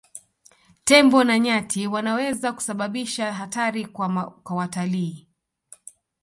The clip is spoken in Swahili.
Tembo na nyati wanaweza kusababisha hatari kwa watalii